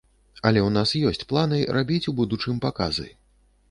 Але ў нас ёсць планы рабіць у будучым паказы.